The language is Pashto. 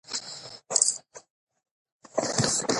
شفاف چلند د سم مدیریت نښه ده.